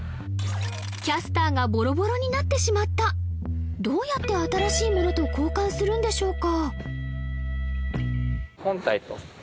キャスターがボロボロになってしまったどうやって新しいものと交換するんでしょうか？